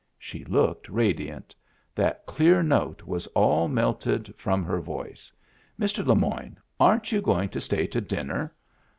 She looked radiant. That clear note was all melted from her voice. "Mn Le Moyne, aren't you going to stay to dinner